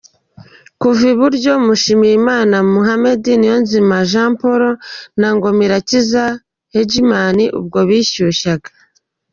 Kuva iburyo: Mushimiyimana Mohammed, Niyonzima Jean Paul na Ngomirakiza Hegman ubwo bishyushyaga.